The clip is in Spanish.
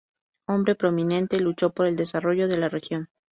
Hombre prominente, luchó por el desarrollo de la región.